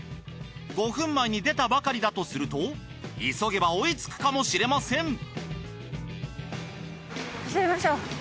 ５分前に出たばかりだとすると急げば追いつくかもしれません。